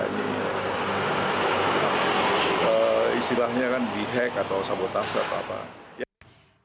istilahnya kan di hack atau sabotase atau apa